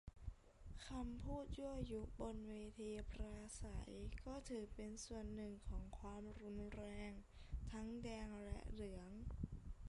คำพูดยั่วยุบนเวทีปราศรัย ก็ถือเป็นส่วนหนึ่งของความรุนแรง ทั้งแดงและเหลือง